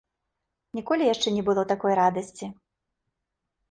Ніколі яшчэ не было такой радасці.